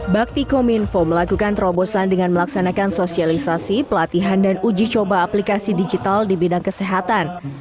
bakti kominfo melakukan terobosan dengan melaksanakan sosialisasi pelatihan dan uji coba aplikasi digital di bidang kesehatan